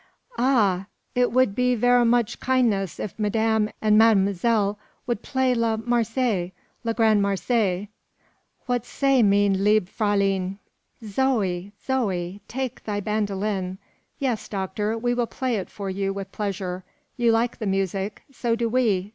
"Ah! it wod be ver moch kindness if madame and ma'm'selle wod play la Marseillaise, la grande Marseillaise. What say mein liebe fraulein!" "Zoe, Zoe! take thy bandolin. Yes, doctor, we will play it for you with pleasure. You like the music. So do we.